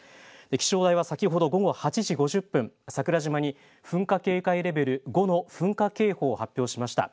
気象台は先ほど午後８時５０分、桜島に噴火警戒レベル５の噴火警報を発表しました。